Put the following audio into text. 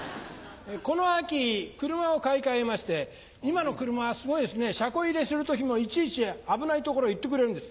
この秋車を買い替えまして今の車はすごいですね車庫入れする時もいちいち危ない所言ってくれるんです。